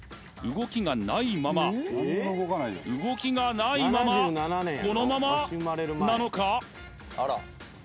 動きがないまま動きがないままこのままなのか？